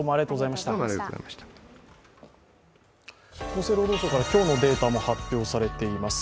厚生労働省から今日のデータも発表されています。